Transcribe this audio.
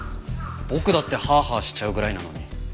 僕だってハアハアしちゃうぐらいなのに。